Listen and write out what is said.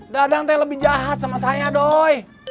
dadang teh lebih jahat sama saya doy